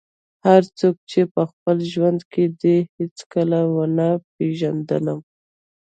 هغه څوک چې په ټول ژوند کې دې هېڅکله ونه پېژندلم.